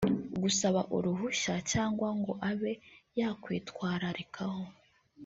gusaba uruhushya cyangwa ngo abe yakwitwararikaho